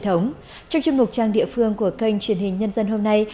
trong chương trình một trang địa phương của kênh truyền hình nhân dân hôm nay